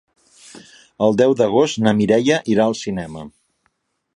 El deu d'agost na Mireia irà al cinema.